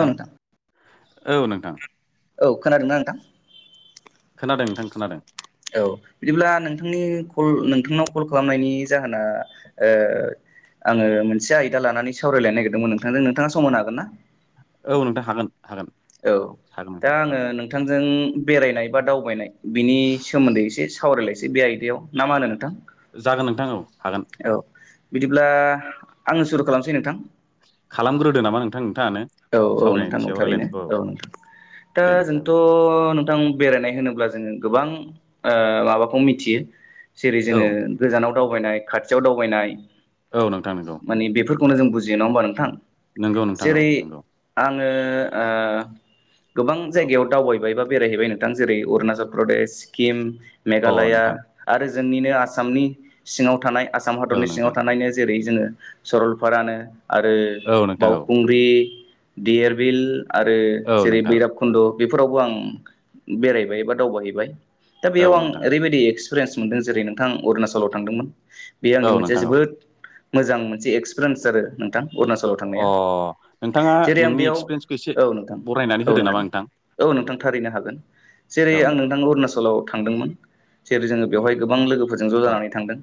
औ नोंथां औ नोंथां औ खोनादोंना नोंथां खोनादों नोंथां खोनादों औ बिदिब्ला नोंथांनि कल नोंथांनाव कल खालामनायनि जाहोना ओ आङो मोनसे आयदा लानानै सावरायलायनो नागिरदोंमोन नोंथांजों नोंथाङा सम होनो हागोन ना? औ नोंथां हागोन। हागोन औ हागोन दा नोंथां औ आङो नोंथांजों बेरायनाय बा दावबायनाय बिनि सोमोन्दै एसे सावरायलायनोसै बे आयदायाव ना मा होनो नोंथां? जागोन नोंथां औ हागोन औ बिदिब्ला आंनो सुरु खालामसै नोंथां। खालामग्रोदो नामा नोंथां? नोंथाङानो औ औ नोंथां सावरायनायनि नंगौ सायाव थारैनो रायलायनायखौ औ नोंथां। दा दे नोंथां जोंथ' नोंथां बेरायनाय होनोब्ला जोङो गोबां ओ माबाखौ मिथियो जेरै औ जोङो गोजानाव दावबायनाय खाथियाव दावबायनाय औ नोंथां नंगौ। बेखौनो जों बुजियो नङा होनबा नोंथां? नंगौ नोंथां औ जेरै नंगौ। आङो ओ गोबां औ जायगायाव दावबायबाय एबा बेरायहैबाय नोंथां जेरै अरणाचल प्रदेश सिक्किम अ मेघालया नोंथां आरो जोंनिनो आसामनि सिङाव थानाय आसाम औ हादरनि सिङाव नोंथां थानायनो जेरै जोङो सरलपारानो आरो औ नोंथां औ बावखुंग्रि देरबिल आरो औ जेरै नोंथां भैरब खुन्द' बेफोरावबो आं बेरायबाय बा दावबायहैबाय दा औ बेयाव आं नोंथां ओरैबायदि एक्सपिरियेन्स मोन्दों जेरै नोंथां अरुणाचलाव थांदोंमोन बे औ आंनि मोनसे नोंथां जोबोद मोजां मोनसे एक्सपिरियेन्स आरो नोंथां अरुणाचलाव औ थांनाया अ नोंथाङा जेरै आं नोंनि बेयाव एक्सपिरियेन्सखौ एसे औ नोंथां बरायनानै औ होदो नामा नोंथां औ नोंथां थारैनो हागोन जेरै आं नोंथां अरुणाचलाव थांदोंमोन जेरै जोङो बेवहाय गोबां लोगोफोरजों ज' औ जानानै थांदों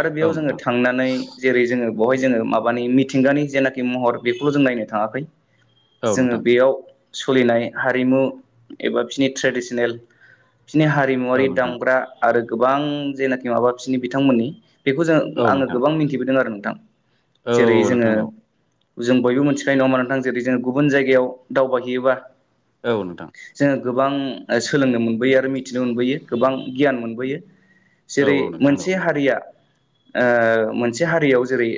आरो औ बेयाव जोङो नोंथां थांनानै जेरै जोङो बेवहाय जोङो माबानि मिथिंगानि जेनाखि महर बेखौल' जों नायनो थाङाखै औ जोङो नोंथां बेयाव सोलिनाय हारिमु एबा बिनि ट्रेडिसनेल बिसोरनि औ हारिमुवारि नोंथां दामग्रा आरो गोबां जेनाखि माबा बिसोरनि बिथांमोननि बेखौ जों औ आङो नोंथां गोबां मिथिबोदों आरो नोंथां जेरै औ नोंथां जोङो नंगौ। जों बयबो मिथिखायो नङा होनबा नोंथां जेरै जोंङो गुबुन जायगायाव दावबायहैयोबा औ नोंथां। जोङो गोबां सोलोंनो मोनबोयो आरो मिथिनो मोनबोयो गोबां गियान मोनबोयो औ जेरै औ नोंथां औ मोनसे हारिया। ओ मोनसे हारियाव जेरै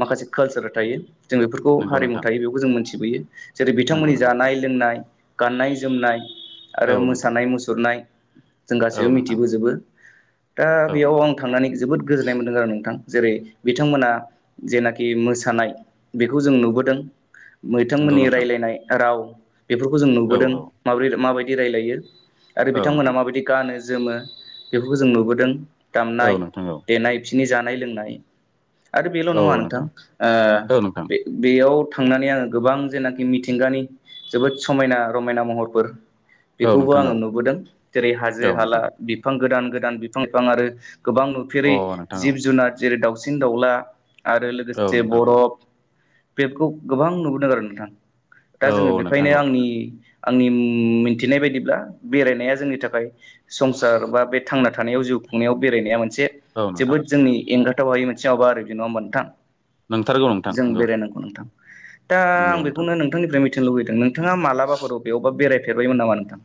माखासे कालसार थायो जों बे नंगौ हारिमु नोंथां थायो बेखौ जों मोनथिबोयो जेरै नंगौ बिथांमोननि नंगौ नोंथां जानाय लोंनाय गाननाय जोमनाय औ आरो नोंथां मोसानाय मुसुरनाय। जों गाैबो औ नोंथां मिथिबोजोबो दा औ बेयाव नोंथां आं थांनानै जोबोद गोजोननाय मोन्दों आरो नोंथां। जेरै बिथांमोना जेनाखि मोसानाय बेखौ जों नुबोदों। नंगौ मैथमोननि नोंथां रायज्लायनाय राव। बेफोरखौ जों औ नुबोदों औ माब माबायदि रायलायो आरो औ बिथांमोनहा नोंथां माबायदि गानो। जोमो बेफोरखौ जों नुबोदों औ दामनाय नोंथां औ देनाय बिसोरनि जानाय लोंनाय। आरो बेल' नङा नोंथां औ नोंथां बेयाव। थांनानै आङो गोबां जेनाखि मिथिंगानि जोबोद समायना रमायना महरफोर। औ बेखौबो नोंथां औ आङो नुबोदों जेरै औ हाजो हाला नोंथां बिफां गोदान गोदान बिफां लाइफां आरो गोबां नुफेरै जिब जुनार जेरै दाउसिन दाउला आरो अ नोंथां औ लोगोसे नोंथां बरफ बेखौ गोबां नुबोदों आरो नोंथां दा औ जोङो नोंथां बेखायनो औ आंनि आंनि मिथिनाय बायदिब्ला बेरायनाया जोंनि थाखाय संसार बा बे थांनानै थानायाव जिउ खुंनायाव बेरायनाया मोनसे औ नोंथां जोबोद जोंनि एंगाराथाव हायै मोनसे माबा आरो बेदि नङा नोथां। नोंथारगौ नोंथां जों नंगौ बेरायनांगौ नोंथां। दा नंगौ आं नोंथां बेखौनो नोंथांनिफ्राय मिथिनो लुुबैदों नोंथाङा मालाबाफोराव अबेयावबा बेरायफेरबायमोन नामा नोंथां?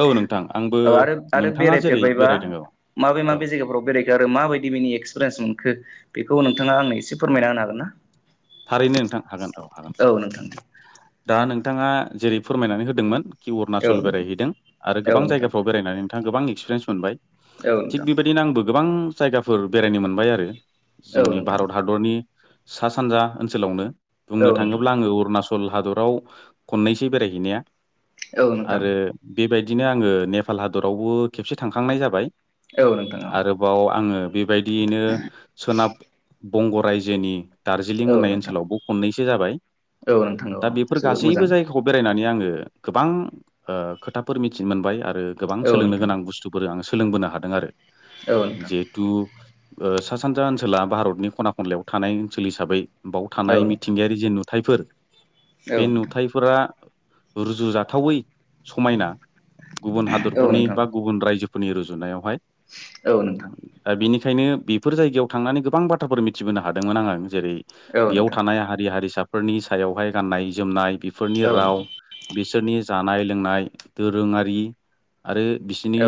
औ नोंथां आंबो औ आरो, आरो नोंथाङा जेरै बेरायफेरबायबा बेरायदों औ माबे औ माबे जायगाफोराव बेराय आरो माबायदि बिनि एक्सपिरियेन्स मोनखो बेखौ नोंथाङा आंनो एसे फोरमायना होनो हागोन ना? थारैनो नोंथां हागोन औ हागोन औ नोंथां दा नोंथाङा जेरै फोरमायनानै होदोंमोन कि औ अरुनाचल बेरायहैदों आरो गोबां नोंथां जायगाफ्राव बेरायनानै नोंथाङा गोबां एक्सपिरियेन्स मोनबाय। औ थिक नोंथां बेबायदिनो आंबो गोबां जायगाफोर बेरायनो मोनबाय आरो औ जोंनि नोंथां भारत हादरनि सा सानजा ओनसोलावनो औ बुंनो थाङोब्ला नोंथां आङो अरुणाचल सल हादराव खननैसै बेरायहैनाया औ नोंथां आरो बेबाय दिनो आङो नेपाल हादरावबो खेबसे थांखांनाय जाबाय औ नोंथां औ नोंथां आरोबाव आङो बेबायदियैनो सोनाब बंग' रायजोनि दार्जिलिं होननाय ओनसोलावबो खननैसो जाबाय औ नोंथां औ नोंथां दा औ बेफोर जोबोद गासैबो मोजां जायगाखौ बेरायनानै आङो ओ गोबां ओ खोथाफोर मिथिनो मोनबाय आरो गोबां औ सोलोंनो नोंथां गोनां बुस्थुफोर आं सो सोलोंबोनो हादों आरो औ नोंथां औ नोंथां जेहेथु ओ सा सानजा ओनसोला भारतनि खना खनलायाव थानाय ओनसोल हिसाबै बाव औ नोंथां औ नोंथां औ नोंथां औ नोंथां औ नोंथां औ नोंथां औ नोंथां औ थानाय नोंथां औ मिथिंगायारि जे नु याइफोर बे नुथाइफोरा रुजुजाथावै समायना गुबुन हादरफोरनि बा गुबुन रायजो फोरनि रुजुनायावहाय औ नोंथां। ओंखायनो बेफोर जायगायाव थांनानै गोबां बाथ्राफोर मिथिबोनो हादोंमोन आङो। जेरै बेयाव थानाय हारि हारिसाफोरनि सायावहाय गाननाय जोमनाय। बिफोरनि राव बिसोरनि जानाय लोंनाय दोरोङारि आरो बिसिनि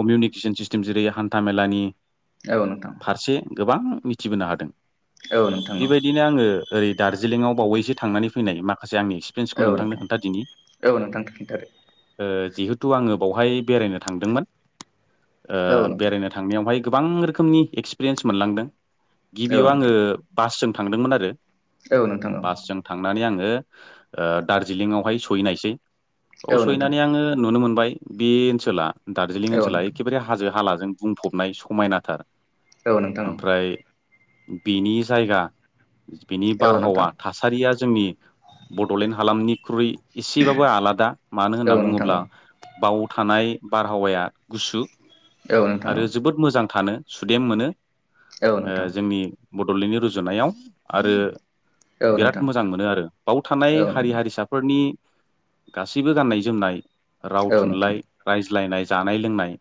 कमिउनिकेसन सिस्टेम जेरै हान्था मेलानि। औ नोंथां। फारसे गोबां मिथिबोनो हादों। बेबायदिनो आङो ओरै दार्जिलिंआव बावैसो थांनानै फैनाय माखा खासे आंनि एक्सपिरियेन्सखौ औ नोंथांनो नोंथां खोन्था दिनि औ नोंथां खिन्थादो ओ जिहेथु आङो बावहाय बेरायनो थांदोंमोन ओ औ नोंथां बेरायनो थांनायावहाय गोबां रोखोमनि एक्सपिरियेन्स मोनलांदों औ गिबियाव आङो नोंथां बासजों थांदोंमोन आरो। औ नोंथां औ बासजों थांनानै आङो ओ दार्जिलिंआवहाय सहैनायसै। औ सहैनानै आङो नुनो मोनबाय बे ओनसोला दार्जिलिं औ ओनसोला नोंथां एखेबारे हाजो हालाजों बुंफबनाय समायनाथार। औ नोंथां औ। बिनि जायगा बिनि औ नोंथां बारहावा थासारिया जोंनि बड'लेण्ड हालामनिख्रुइ एसेबाबो आलादा मानो औ होनना नोंथां औ बुङोब्ला बाव थानाय बारहावाया गुसु। औ नोंथां औ आरो जोबोद मोजां थानो सुदेम मोनो औ ओ नोंथां जोंनि दौलेंनि रुजुनायाव आरो औ बिराद नोंथां मोजां मोनो आरो बाव थानाय औ हारि नोंथां हारिसाफोरनि गासैबो गाननाय जोमनाय राव औ नोंथां थुनलाइ रायज्लायनाय जानाय, लोंनाय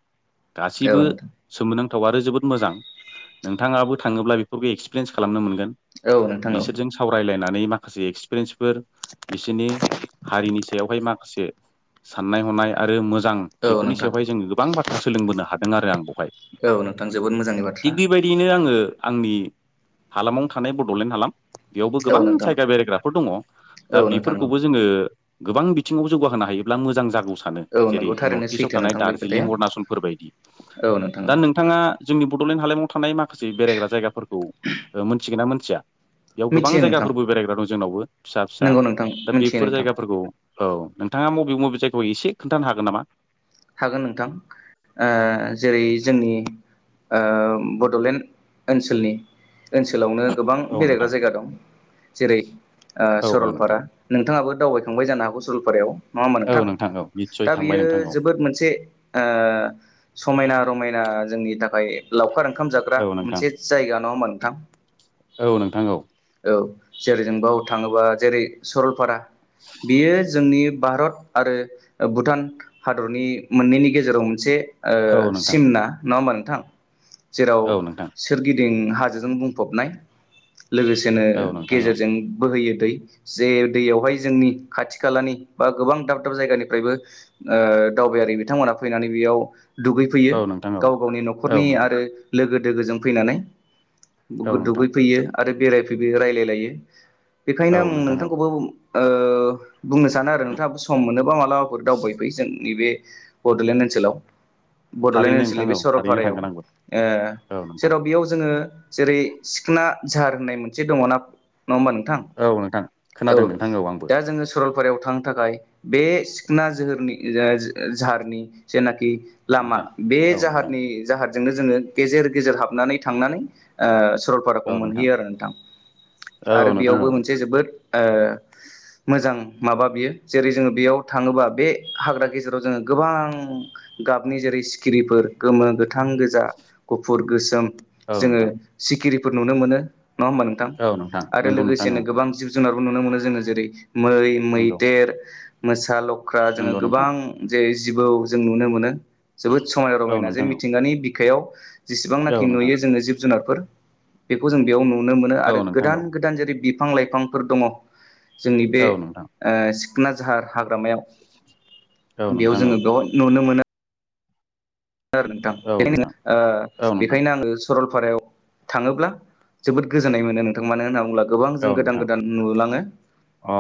गासिबो औ नोंथां सोमोनांथाव आरो जोबोद मोजां नोंथाङाबो थाङोब्ला बेखौ बे एक्स पिरेन्स खालामनो मोनगोन औ बिसोरजों सावरायलायना नै माखासे एक्सपिरेन्स फोर बिसोरनि हारिनि सायावहाय माखासे साननाय हनाय आरो मोजां औ बेफोरनि नोंथां सायावहाय जों गोबां बाथ्रा सोलोंबोनो हादों आरो आं बाव हाय औ नोंथां जोबोद मोजांनि बाथ्रा थिक बेबायदियैनो आङो आंनि हालामावनो थानाय बड'लेण्ड हालाम बेयावबो औ गोबां नोंथां जायगा बेरायग्राफोर दङ' दा औ नोंथां औ बिफोरखौबो जोङो गोबां बिथिङावबो जौगाहोनो हायोब्ला मोजां जागौ सानो औ जेरै नोंगौ थारैनो नर्थ इस्टआव सैथो थानाय नोंथां बे दार्जिलिं खोथाया अरुणाचलफोर बायदि, औ नोंथां औ दा नोंथाङा जोंनि बड'लेण्ड हालामाव थानाय माखासे बेरायग्रा जायगाफोरखौ ओ मोनथिगोन ना मोनथिया? बेयाव गोबां मिथियो नोंथां जायगाफोरबो बेरायग्रा दं जोंनावबो फिसा-फिसा नंगौ नोंथां दा मिथियो बेफोर नोंथां जायगाफोरखौ औ नोंथाङा मबे-मबे जायगायाव एसे खोन्थानो हागोन नामा? हागोन नोंथां ओ जेरै जोंनि ओ बड'लेण्ड ओनसोलनि ओनसोलावनो गोबां औ बेरायग्रा नोंथां जायगा दं जेरै औ सरलपारा नोंथां नोंथाङाबो दावबायखांबाय जानो हागौ सरलपारायाव नङा होमबा औ नोंथां? औ निस्सय दा थांबाय बियो नोंथां औ जे समायना- रमायना जोंनि थाखाय लावखारा [unintelligible] ओंखाम जाग्रा औ नोंथां मोनसे जायगा नङा होनबा नोंथां? औ नोंथां औ। औ जेरै जों बाव थाङोबा जेरै सरलपारा बेयो जोंनि भारत आरो भुटान हादरनि मोननैनि गेजेराव मोनसे ओ औ नोंथां सिमना नङा होमा नोंथां जेराव औ नोंथां सोरगिदिं [unintelligible] हाजोजों बुंफबनाय लोगोसेनो औ नोंथां औ गेजेरजों बोहैयो दै जे दैयावहाय जोंनि खाथि -खालानि बा गोबां दाब- दाब जायगानिफ्रायबो ओ ओ दावबायारि बिथांमोना फैनानै बेयाव दुगैफैयो औ नोंथां औ गाव- गावनि औ न'खरनि नोंथां आरो लोगो दोगोजों फैनानै। औ नोंथां दुगैफैयो आरो बेरायफैबो रायलाय लायो बेखायनो आं औ नोंथां औ नोंथांखौबो ओ बुंनो सानो आरो नोंथाङाबो सम मोनोबा मालाबाफोर दावबायफै जोंनि बे बड'लेण्ड ओनसोलाव बड'लेण्ड थारैनो ओनसोलनि नोंथां बे औ थारैनो सरलपारायाव। थांगोन आंबो ओ औ नोंथां जेराव बेयाव जोङो जेरै सिखोना झार होननाय मोनसे दङ ना नङा होमबा नोंथां? औ नोंथां औ खोनादों नोंथां आंबो दा जोङो सरलपारायाव थांनो थाखाय बे सिखोना जोहोरनि [unintelligible] जाहारनि जेनाखि लामा नोंथां बे औ नोंथां जाहारनि जाहार जोंङो गेजेर-गेजेर हाबनानै थांनानै सरलपाराखौ मोनहैयो आरो नोंथां औ आरो नोंथां बेयावबो औ मोनसे जोबोद ओ मोजां माबा बियो जेरै जोङो बेयाव थाङोबा बे हाग्रा गेजेराव जोङो गोबां गाबनि जेरै सिखिरिफोर गोमो, गोथां, गोजा, गुफुर, गोसोम औ जोङो नोंथां सिखिरिफोर नुनो मोनो। नङा होमबा नोंथां औ नोंथां आरो नंगौ नोंथां लोगोसेनो औ गोबां जिब -जुनार नुनो मोनो जो जेरै मै, नंगौ मैदेर, मोसा, [unintelligible] [unintelligible] जोङो नंगौ नोंथां गोबां जे जिबौ जों नुनो मोनो जोबोद समायना औ -रमायना जे नोंथां औ मिथिंगानि बिखायाव औ जेसेबांनाखि नोंथां नुयो जोङो जिब -जुनारफोर बेखौ जों बेयाव नु नुनो मोनो आरो औ नोंथां औ गोदान-गोदान जेरै बिफां- लाइफांफोर दङ जोंनि बे औ नोंथां सिकना जाहार हाग्रामायाव औ बेयाव नोंथां औ जोङो बेयाव नुनो मोनो। [unintelligible] नोंथां औ बेखायनो नोंथां औ नोंथां बेखायनो आङो सरलपारायाव थाङोब्ला जोबोद गोजोननाय मोनो। नोंथां मानो होनना बुंङोब्ला गोबां जों औ गोदान नोंथां -गोदान नुलाङो अ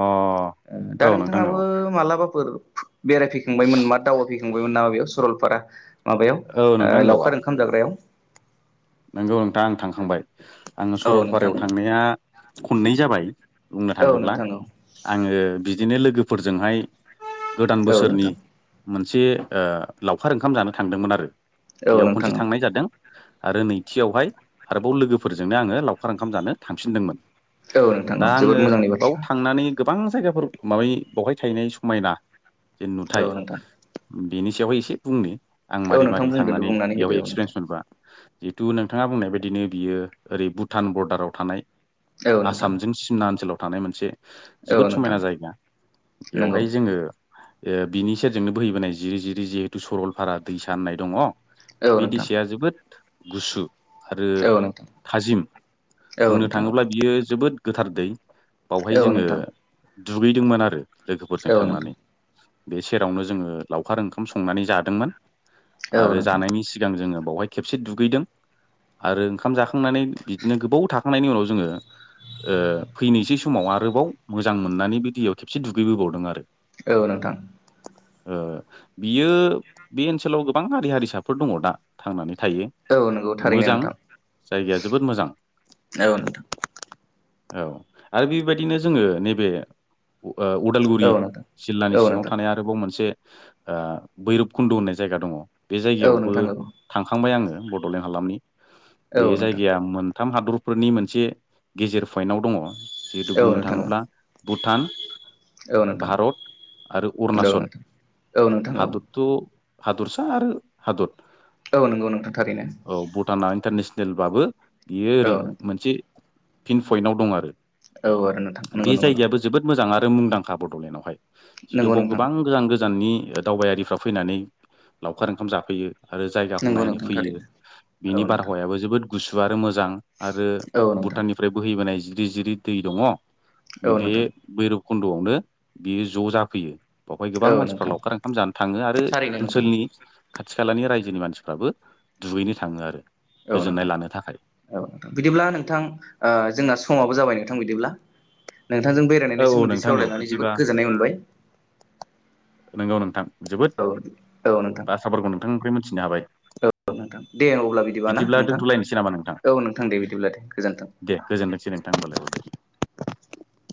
दा औ नोंथां नोंथाङाबो मालाबा [unintelligible] बेरायफैखांबायमोन मा दावबायफैखांबायमोन नामा बेयाव सरलपारा। माबायाव औ लावखार ओंखाम जाग्रायाव। नंगौ नोंथाङा आं थांखांबाय आङो औ नोंथां सरलपारायाव थांनाया खननै जाबाय। बुंनो औ थाङोब्ला नोंथां औ आङो बिदिनो लोगोफोरजोंहाय गोदान औ बोसोरनि नोंथां मोनसे ओ लावखार ओंखाम जानो थांदोंमोन आरो। औ बेयाव नोंथां खनसे थांनाय जादों। आरो नैथियावहाय आरोबाव लोगोफोरजोंनो आङो लावखार ओंखाम जानो थांफिनदोंमोन। औ औ नोंथां दा औ आङो जोबोद मोजांनि बाव बाथ्रा थांनानै गोबां गोबां जायगाफोर माबानि बेवहाय थाहैनाय समायना जे औ नुथाय। नोंथां बेनि सायावहाय एसे बुंनो आं औ मारै- नोंथां मारै बुंदो थांनानै बुंनानै होदो बेयावहाय औ नोंथां एक्सपिरियेन्स मोनबोआ। जिहेतु नोंथाङा बुंनाय बायदिनो बियो ओरै भुटान बरडाराव थानाय औ नोंथां आसामजों सिमना ओनसोलाव थानाय मोनसे औ जोबोद नोंथां समायना जायगा नंगौ बेवहाय जोङो। ओ बिनि सेरजोंनो बोहैबोनाय जिरि जिरि जिहेथु सरलफारा दैसा होननाय दङ। औ बि नोंथां दैसाया जोबोद गुसु। आरो औ नोंथां थाजिम औ बुंनो नोंथां थाङोब्ला बियो जोबोद गोथार दै। बावहाय औ जोङो नोंथां दुगैदोंमोन आरो लोगोफोरजों औ नोंथां औ थांनानै। बे सेरावनो जोङो लावखार ओंखाम संनानै जादोंमोन आरो नोंथां जानायनि सिगां जोङो बेवहाय खेबसे दुगैदों आरो ओंखाम जाखांनानै बिदिनो गोबाव थाखाखांनायनि उनाव जोङो ओ फैनोसै समाव आरोबाव मोजां मोननानै बे दैयाव खेबसे दुगैबोबावदों आरो। औ नोंथां। ओ बियो बे ओनसोलाव गोबां हारि हारिसाफोर दङ दा थांनानै थायो औ नंगौ थारैनो मोजां नोंथां जायगाया जोबोद मोजां। औ नोंथां। औ आरो बेबायदिनो जोङो नैबे ओ उदालगुरि औ नोंथां जिल्लानि औ सिङाव नोंथां थानाय आरोबाव मोनसे ओ बैरबकुन्द' होननाय जायगा दङ बे औ नोंथां औ नोंथां औ जायगायावबो नोंथां थांखाबाय बडलेन्ड हालामनि बे औ औ नोंथां औ नोंथां औ नोंथां जायगाया। थाम हादरफोरनि मोनसे गेजेर पइन्टाव दङ। जिहेथु बुंनो थाङोब्ला भुटान। भारत आरो अरुणाचल औ हादर'। हादरसा आरो हादर। औ नंगौ नोंथां थारैनो औ भुटाना इन्टारनेसनेल सेलबाबो बियो औ ओरै मोनसे इन्ड पइन्टाव दं आरो। आरो नोंथां नंगौ बे नंगौ जायगायाबो जोबोद मोजां आरो। मुंदांखा बड'लेण्डआवहाय जिहेथु नंगौ बेयाव नोंथां गोबां गोजान गोजान गोजाननि दावबायारिफ्रा फैनानै लावखार ओंखाम जाफैयो आरो जाय नंगौ नायनो नोंथां फैयो थारैनो औ बिनि नोंथां बारहावायाबो जोबोद। गुसु आरो मोजां आरो औ नोंथां भुटाननिफ्राय बोहैबोनाय जिरि जिरि दै दङ। औ बे नोंथां भैरब खुन्द'आवनो बियो ज' जाफैयो। बेवहाय गोबां औ मानसिफ्रा नोंथां लावखार ओंखाम जानो थाङो आरो थारैनो नोंथां ओनसोलनि खाथि खालानि रायजोनि मानसिफोरा फ्राबो दुगैनो थाङो आरो। औ गोजोननाय नोंथां लानो थाखाय औ नोंथां बिदिब्ला नोंथां ओ जोंना समाबो जाबाय नोंथां बिदिब्ला नोंथांजों औ बेरायनायनि औ सोमोन्दै नोंथां औ सावरायनानै बिदिबा जोबोद गोजोननाय मोनबाय। नोंगौ नोंथां जोबोद औ औ नोंथां बाथ्राफोरखौ नोंथांनिफ्राय मोनथि [unintelligible] नोंथां दे अब्ला बिदिबा ना बिदिब्ला नोंथां दोनथ'लायनोसै नामा नोंथां औ नोंथां दे बिदिब्ला दे गोजोन्थों। दे [unintelligible] [inaudible]